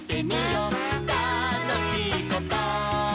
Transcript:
「たのしいこと？」